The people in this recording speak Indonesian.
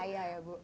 percaya ya bu